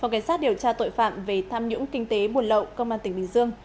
phòng cảnh sát điều tra tội phạm về tham nhũng kinh tế buồn lậu công an tỉnh bình dương